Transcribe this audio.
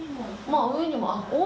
まあ上にも。